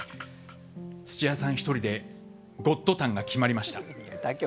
土屋さん１人で「ゴットタン」が決まりました。